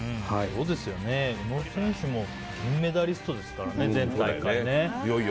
宇野選手も銀メダリストですからね、前大会。